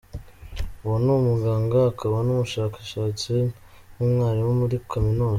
Uwo ni umuganga akaba n’umushakashatsi n'umwalimu muri kaminuza